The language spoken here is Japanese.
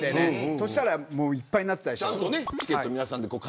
そしたらもういっぱいになってたでしょ。